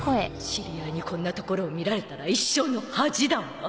知り合いにこんなところを見られたら一生の恥だわ